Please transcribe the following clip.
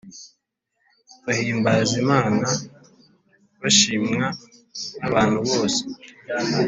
Bahimbaza imana bashimwa n abantu bose